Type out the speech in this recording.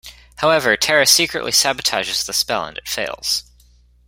However, Tara secretly sabotages the spell and it fails.